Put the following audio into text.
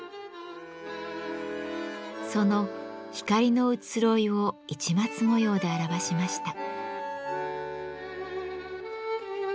その光の移ろいを市松模様で表しました。